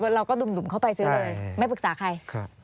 เราก็ดุ่มเข้าไปซื้อเลยไม่ปรึกษาใคร